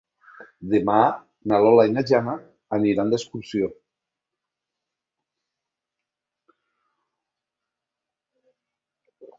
Demà na Lola i na Jana aniran d'excursió.